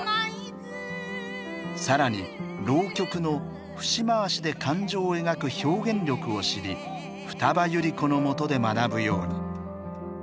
更に浪曲の節回しで感情を描く表現力を知り二葉百合子のもとで学ぶように。